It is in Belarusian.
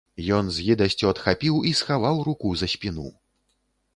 Ён з гідасцю адхапіў і схаваў руку за спіну.